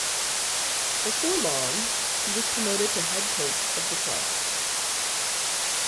Before long, he was promoted to head coach of the club.